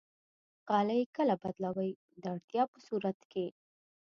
غالۍ کله بدلوئ؟ د اړتیا په صورت کې